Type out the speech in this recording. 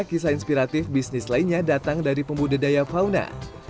kisah inspiratif bisnis lainnya datang dari pembudidaya fauna